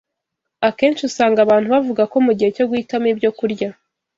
Akenshi usanga abantu bavuga ko mu gihe cyo guhitamo ibyokurya